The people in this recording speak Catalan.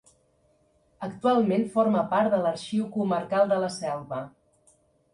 Actualment forma part de l'Arxiu Comarcal de la Selva.